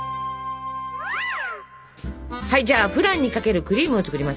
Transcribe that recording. じゃあフランにかけるクリームを作りますよ。